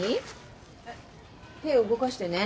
えっ手動かしてね。